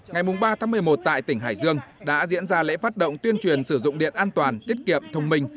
ngày ba tháng một mươi một tại tỉnh hải dương đã diễn ra lễ phát động tuyên truyền sử dụng điện an toàn tiết kiệm thông minh